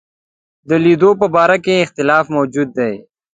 د لیدلو په باره کې اختلاف موجود دی.